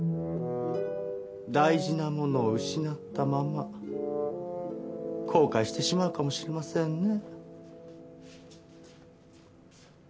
大事なものを失ったまま後悔してしまうかもしれませんね。